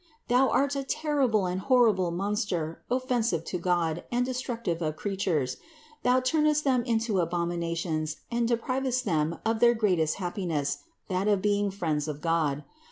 Thou art a terrible and horrible monster, offensive to God and destructive of creatures; thou turnest them into abominations and de privest them of their greatest happiness, that of being friends of God.